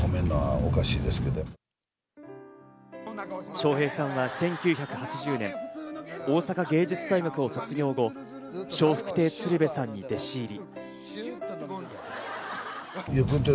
笑瓶さんは１９８０年、大阪芸術大学を卒業後、笑福亭鶴瓶さんに弟子入り。